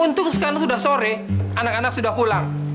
untuk sekarang sudah sore anak anak sudah pulang